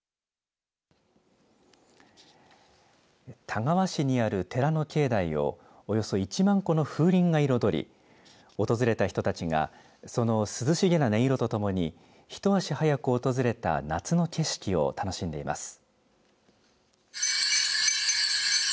田川市にある寺の境内をおよそ１万個の風鈴が彩り訪れた人たちがその涼しげな音色とともに一足早く訪れた夏の景色を楽しんでいます。